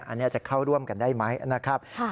อันนี้จะเข้าร่วมกันได้ไหมนะครับ